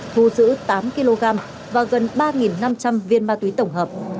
thu giữ tám kg và gần ba năm trăm linh viên ma túy tổng hợp